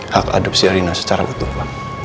hak hadap si reyna secara betul